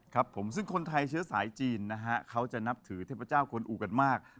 ครับผมซึ่งคนไทยเชื้อสายจีนนะฮะเขาจะนับถือเทพเจ้ากวนอูกันมาก